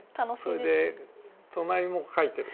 それで隣も描いてる。